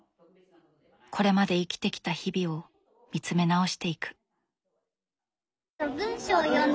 これまで生きてきた日々を見つめ直していく。